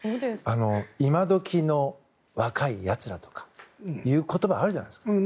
今どきの若い奴らとかいう言葉あるじゃないですか。